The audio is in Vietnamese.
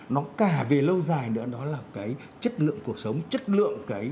nó cả về lâu dài nữa đó là cái chất lượng cuộc sống chất lượng cái